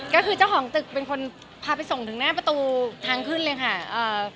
ก็คือเจ้าของตึกเป็นคนพาไปส่งถึงหน้าประตูทางขึ้นเลยค่ะ